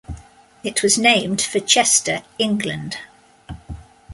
It was named for Chester, England.